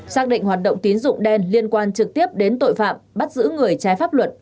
xác định hoạt động tín dụng đen liên quan trực tiếp đến tội phạm bắt giữ người trái pháp luật